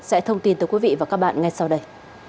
sẽ thông tin tới quý vị và các bạn ngay sau đây